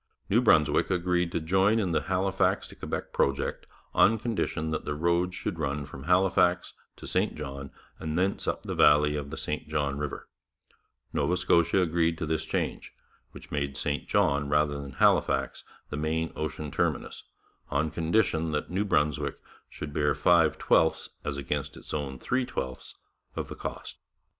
New Brunswick agreed to join in the Halifax to Quebec project on condition that the road should run from Halifax to St John and thence up the valley of the St John river; Nova Scotia agreed to this change, which made St John rather than Halifax the main ocean terminus, on condition that New Brunswick should bear five twelfths as against its own three twelfths of the cost.